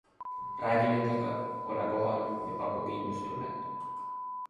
Räägi nendega, ole kohal ja paku kindlustunnet.